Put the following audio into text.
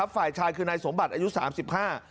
ฝ่ายชายคือนายสมบัติอายุสามสิบห้า